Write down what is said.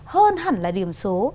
hơn hẳn là điểm số